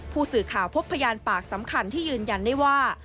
ผู้สื่อข่าวพบพยานปากสำคัญที่ยืนยันได้ว่า